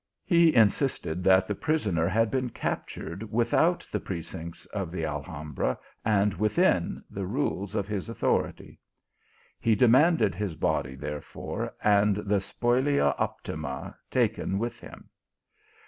He insisted that the prisoner had been captured without the precincts of the Alhambra, and within the rules of his authority. He demanded his body therefore, and the spolia opima taken with him.